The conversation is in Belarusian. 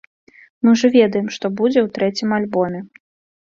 Мы ўжо ведаем, што будзе ў трэцім альбоме.